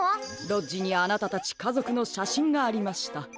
ロッジにあなたたちかぞくのしゃしんがありました。